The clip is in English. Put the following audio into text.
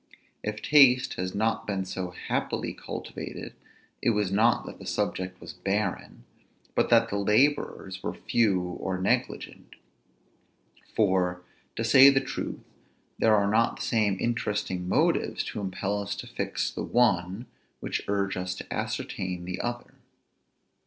If taste has not been so happily cultivated, it was not that the subject was barren, but that the laborers were few or negligent; for, to say the truth, there are not the same interesting motives to impel us to fix the one, which urge us to ascertain the other.